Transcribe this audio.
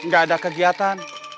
gak ada kegiatan